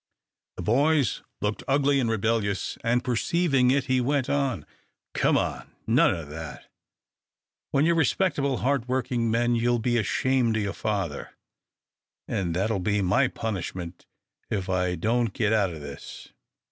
The boys looked ugly and rebellious, and, perceiving it, he went on. "Come now, none o' that; when ye're respectable, hard workin' men ye'll be ashamed o' your father, an' that'll be my punishment if I don't get out o' this.